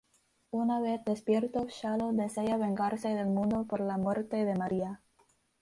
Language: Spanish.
Una vez despierto, Shadow desea vengarse del mundo por la muerte de María.